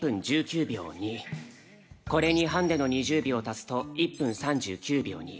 これにハンデの２０秒を足すと１分３９秒２。